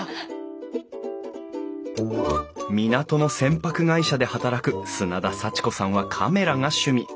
港の船舶会社で働く砂田幸子さんはカメラが趣味。